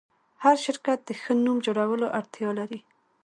هر شرکت د ښه نوم جوړولو اړتیا لري.